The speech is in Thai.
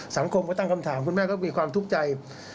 สังคมก็ตั้งคำถามคุณแม่ก็มีความทุกข์ใจ